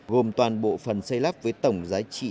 gồm toàn bộ phần xây lắp với tổng giá trị